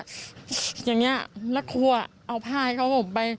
อย่างนี้แล้วครัวเอาผ้าให้เขาผมไป